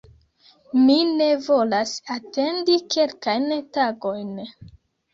Mi ne volas atendi kelkajn tagojn"